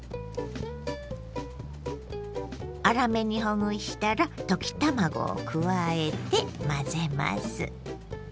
粗めにほぐしたら溶き卵を加えて混ぜます。